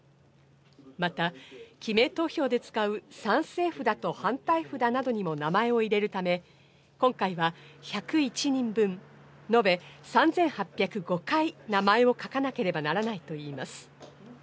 また記名投票で使う賛成札と反対札などにも名前を入れるため、今回は１０１人分、のべ３８０５回、名前を書かなければならないといいます。